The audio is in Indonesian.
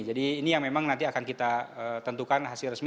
jadi ini yang memang nanti akan kita tentukan hasil resmi